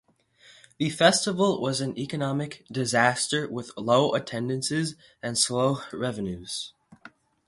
The festival was an economic disaster with low attendances and slow revenues.